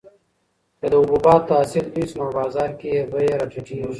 که د حبوباتو حاصل ډېر شي نو په بازار کې یې بیه راټیټیږي.